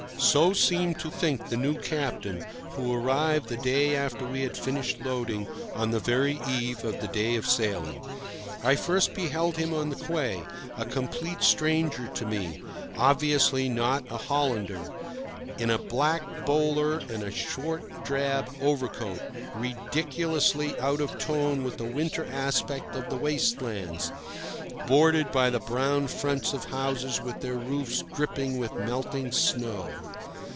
XV. So seemed to think the new captain, who arrived the day after we had finished loading, on the very eve of the day of sailing. I first beheld him on the quay, a complete stranger to me, obviously not a Hollander, in a black bowler and a short drab overcoat, ridiculously out of tone with the winter aspect of the waste lands, bordered by the brown fronts of houses with their roofs dripping with melting snow.